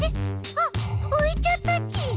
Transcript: あっういちゃったち！